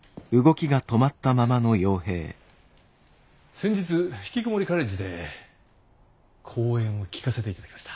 先日ひきこもりカレッジで講演を聴かせていただきました。